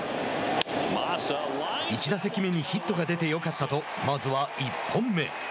１打席目にヒットが出てよかったとまずは１本目。